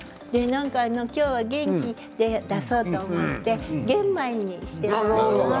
今日は元気を出そうと思って、玄米にしてみました。